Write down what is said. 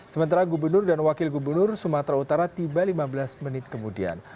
sementara gubernur dan wakil gubernur sumatera utara tiba lima belas menit kemudian